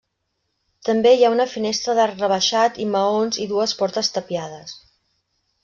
També hi ha una finestra d'arc rebaixat i maons i dues portes tapiades.